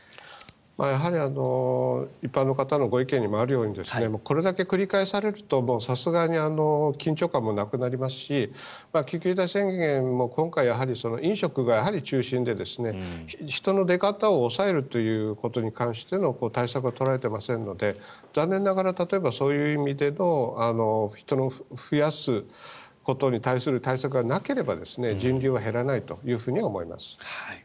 やはり一般の方のご意見にもあるようにこれだけ繰り返されるとさすがに緊張感もなくなりますし緊急事態宣言も今回やはり飲食が中心で人の出方を抑えるということに関しての対策は取られていませんので残念ながらそういう意味での人を増やすことに対する対策がなければ人流は減らないと思います。